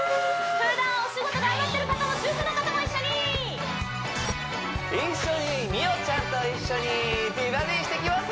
ふだんお仕事頑張ってる方も主婦の方も一緒に一緒に美桜ちゃんと一緒に「美バディ」していきます